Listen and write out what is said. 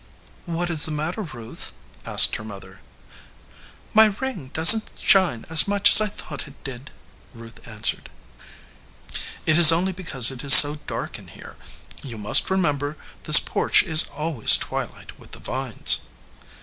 "What is the matter, Ruth?" asked her mother. "My ring doesn t shine as much as I thought it did," Ruth answered. "It is only because it is so dark in here. You must remember this porch is always twilight with the vines."